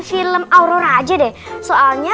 film aurora aja deh soalnya